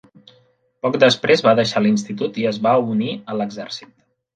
Poc després, va deixar l'institut i es va unir a l'exèrcit.